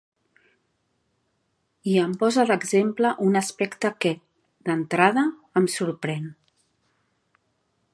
I em posa d’exemple un aspecte que, d’entrada, em sorprèn.